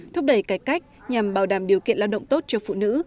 thúc đẩy cải cách nhằm bảo đảm điều kiện lao động tốt cho phụ nữ